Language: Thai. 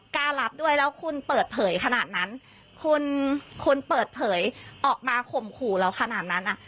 กล้ารับด้วยแล้วคุณเปิดเผยขนาดนั้นคุณคุณเปิดเผยออกมาข่มขู่เราขนาดนั้นอ่ะ